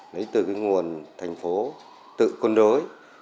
lấy từ cái nguồn thành phố tự côn đối